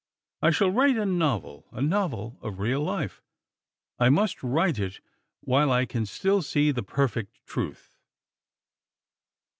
I shall write a novel, a novel of real life. I must write it while I can still see the perfect truth."